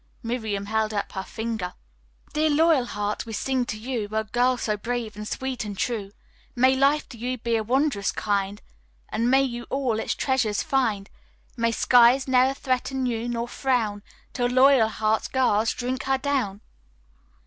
Miriam held up her finger. "Dear Loyalheart, we sing to you, O girl so brave and sweet and true, May life to you be wondrous kind, And may you all its treasures find; May skies ne'er threaten you, nor frown To Loyalheart, girls, drink her down."